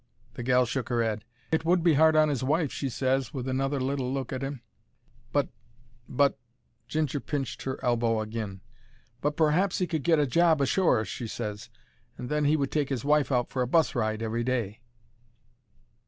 The gal shook her 'ead. "It would be hard on 'is wife," she ses, with another little look at 'im, "but—but——" Ginger pinched 'er elbow agin. "But p'r'aps he could get a job ashore," she ses, "and then he could take his wife out for a bus ride every day."